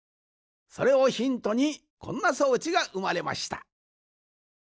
それをヒントにこんな装置がうまれました。